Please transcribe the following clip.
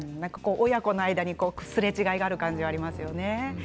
親子の間にすれ違いがある気がしますね。